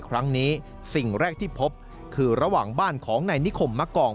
ครั้งนี้สิ่งแรกที่พบคือระหว่างบ้านของนายนิคมมะกอง